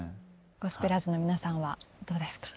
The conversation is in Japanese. ゴスペラーズの皆さんはどうですか？